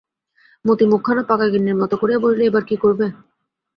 মতি মুখখানা পাকা গিন্নির মতো করিয়া বলিল, এবার কী করবে?